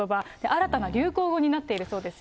新たな流行語になっているそうですよ。